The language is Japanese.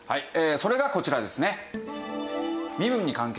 それがこちらですね。